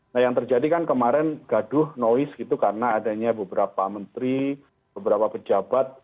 nah yang terjadi kan kemarin gaduh noise gitu karena adanya beberapa menteri beberapa pejabat